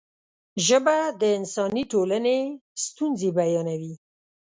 ژبه د انساني ټولنې ستونزې بیانوي.